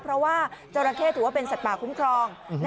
เพราะว่าจราเข้ถือว่าเป็นสัตว์ป่าคุ้มครอง